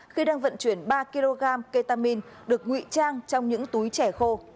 khi đang vận chuyển ba kg ketamin được ngụy trang trong những túi trẻ khô